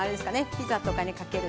ピザとかにかける